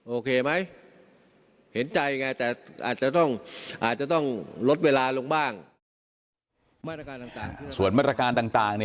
โอเคไหมเห็นใจไงแต่อาจจะต้องลดเวลาลงบ้าง